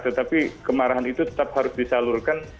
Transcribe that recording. tetapi kemarahan itu tetap harus disalurkan